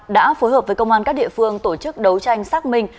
đã phối hợp với công an các địa phương tổ chức đấu tranh xác minh